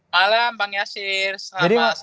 malam bang yasir